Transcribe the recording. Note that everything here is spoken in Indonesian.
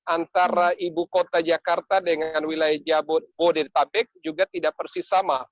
antara ibu kota jakarta dengan wilayah jabodetabek juga tidak persis sama